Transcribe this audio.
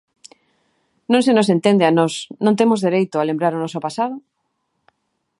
Non se nos entende a nós, non temos dereito a lembrar o noso pasado?